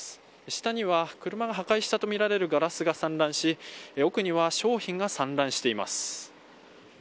下には車が破壊したとみられるガラスが散乱し奥には商品が散乱しています。